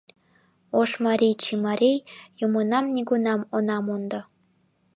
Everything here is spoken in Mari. Ошмарий-чимарий юмынам нигунам она мондо.